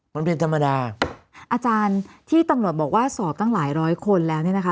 มันเป็นธรรมดาอาจารย์ที่ตำรวจบอกว่าสอบตั้งหลายร้อยคนแล้วเนี่ยนะคะ